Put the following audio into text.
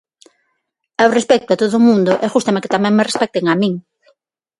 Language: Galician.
Eu respecto a todo o mundo e gústame que tamén me respecten a min.